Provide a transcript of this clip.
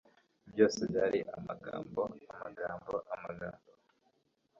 byose byari amagambo, amagambo, amagambo